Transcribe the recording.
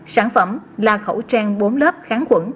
sản phẩm là khẩu trang bốn lớp kháng quẩn